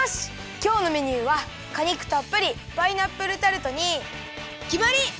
きょうのメニューはかにくたっぷりパイナップルタルトにきまり！